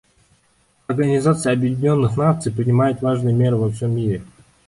Организация Объединенных Наций принимает важные меры во всем мире.